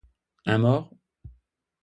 Un mort?